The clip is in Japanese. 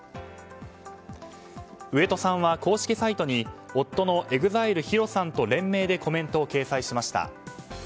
上戸さんは公式サイトに夫のＥＸＩＬＥＨＩＲＯさんと連名でコメントを掲載しました。